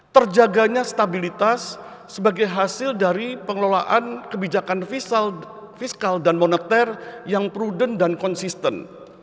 terjaganya stabilitas sebagai hasil dari pengelolaan kebijakan fiskal dan moneter yang prudent dan konsisten